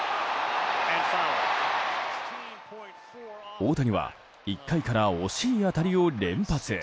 大谷は１回から惜しい当たりを連発。